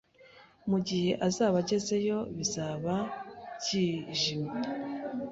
Mugihe azaba agezeyo, bizaba byijimye